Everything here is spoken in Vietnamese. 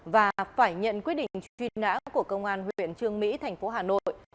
và phải nhận quyết định truy nã của công an huyện trương mỹ thành phố hà nội